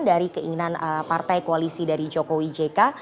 dari keinginan partai koalisi dari jokowi jk